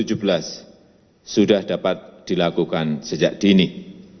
kami juga menyampaikan penghargaan yang tinggi kepada pemerintah arab saudi yang telah diperoleh